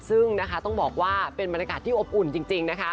ซึ่งนะคะต้องบอกว่าเป็นบรรยากาศที่อบอุ่นจริงนะคะ